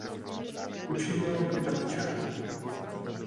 Učinil by tak včera.